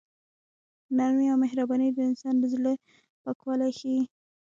نرمي او مهرباني د انسان د زړه پاکوالی ښيي.